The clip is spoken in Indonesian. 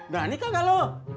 berani kagak lo